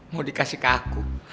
mau dikasih ke aku